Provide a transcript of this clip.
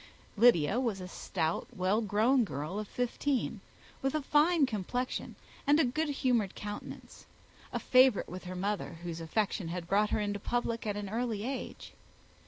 Lydia was a stout, well grown girl of fifteen, with a fine complexion and good humoured countenance; a favourite with her mother, whose affection had brought her into public at an early age.